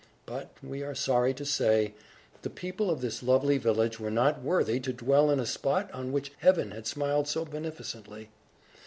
But, we are sorry to say, the people of this lovely village were not worthy to dwell in a spot on which Heaven had smiled so beneficently.